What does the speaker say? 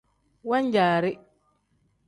Wan-jaari.